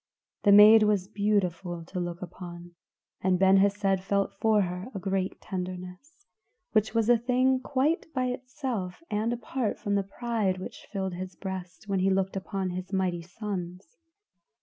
The maid was beautiful to look upon, and Ben Hesed felt for her a great tenderness, which was a thing quite by itself and apart from the pride which filled his breast when he looked upon his mighty sons.